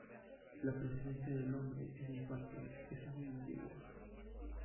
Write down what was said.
La presencia del hombre en el parque es muy antigua.